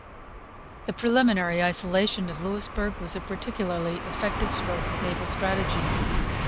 The preliminary isolation of Louisbourg was a particularly effective stroke of naval strategy.